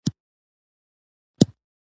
هو، خو نن به زه پر دولسو بجو درځنې ولاړ شم.